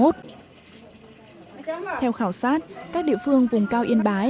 theo khảo sát các địa phương vùng cao yên bái